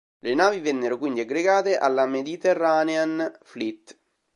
Le navi vennero quindi aggregate alla Mediterranean Fleet.